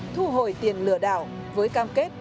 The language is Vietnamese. thu hồi tiền lừa đảo với cam kết